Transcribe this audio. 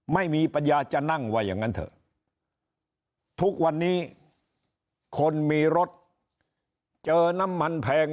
ไม่มีปัญญาจะนั่งว่าอย่างนั้นเถอะทุกวันนี้คนมีรถเจอน้ำมันแพง